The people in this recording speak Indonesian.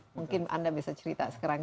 mungkin anda bisa cerita sekarang